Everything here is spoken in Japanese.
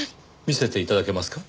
見せて頂けますか？